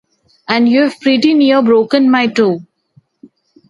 And you've pretty near broken my toe.